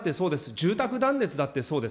住宅断熱だってそうです。